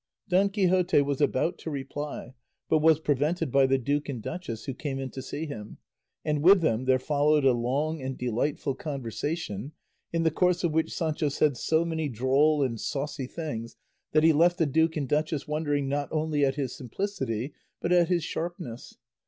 Don Quixote was about to reply, but was prevented by the duke and duchess, who came in to see him, and with them there followed a long and delightful conversation, in the course of which Sancho said so many droll and saucy things that he left the duke and duchess wondering not only at his simplicity but at his sharpness.